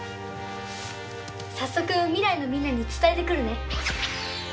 早速未来のみんなに伝えてくるね。